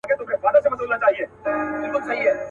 نور به یې شنې پاڼي سمسوري نه وي.